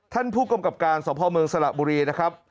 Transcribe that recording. ท่านผู้กรรมกรรมการสมภาวเมืองสละบุรีนะครับ